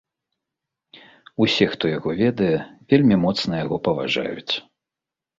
Усе, хто яго ведае, вельмі моцна яго паважаюць.